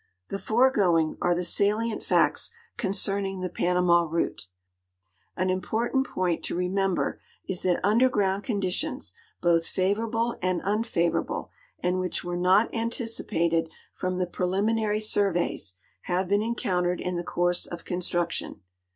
The foregoing are the salient facts concerning the Panama route. An ini])ortant point to remember is that underground conditions, l)oth favorable and unfavoraI)le, and which were not antici])ated from the preliminary surveys, have Iieen encountered in the course of construction.